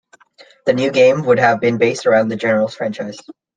The new game would have been based around the "Generals" franchise.